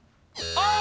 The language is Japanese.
ああ！